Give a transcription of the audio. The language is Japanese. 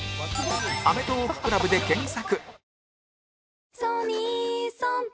「アメトーーク ＣＬＵＢ」で検索